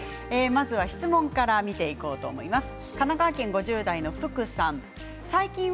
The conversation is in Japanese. まずは質問から見ていこうと思います。